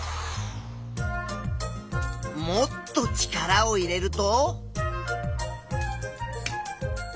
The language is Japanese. もっと力を入れると。